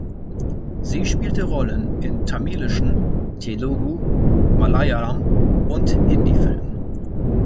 Sie spielte Rollen in tamilischen, Telugu-, Malayalam- und Hindi-Filmen.